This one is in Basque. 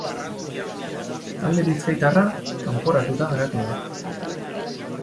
Talde bizkaitarra kanporatuta geratu da.